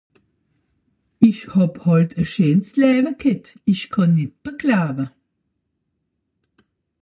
Isch ha halt e scheens Lawe ghet, isch kann net beklage.